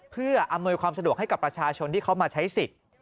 เพื่ออำนวยความสะดวกให้กับประชาชนที่เขามาใช้สิทธิ์